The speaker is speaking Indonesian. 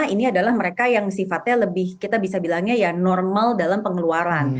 ini adalah mereka yang sifatnya lebih kita bisa bilangnya ya normal dalam pengeluaran